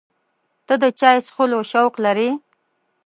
ته د چای څښلو شوق لرې؟